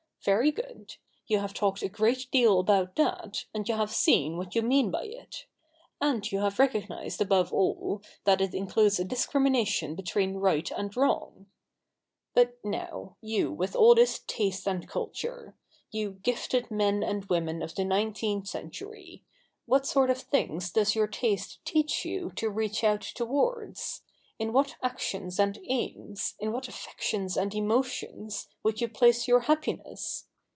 Very good, you have talked a great deal about that, and you have seen what you mean by it ; and you have recognised, above all, that it includes a discrimination between right and wrong. But now, you with all this taste and culture — you gifted men and women of the nineteenth century, — what sort of things does your taste teach you to reach out towards ? In what actions and aims, in what affec tions and emotions, would you place your happiness